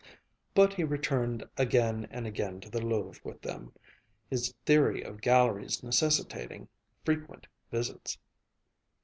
But he returned again and again to the Louvre with them, his theory of galleries necessitating frequent visits.